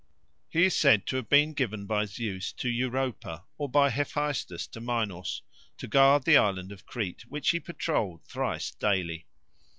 He is said to have been given by Zeus to Europa, or by Hephaestus to Minos, to guard the island of Crete, which he patrolled thrice daily.